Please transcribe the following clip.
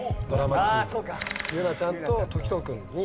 祐奈ちゃんと時任君に。